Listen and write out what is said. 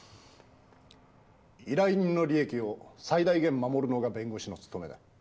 依頼人の利益を最大限守るのが弁護士の務めだ。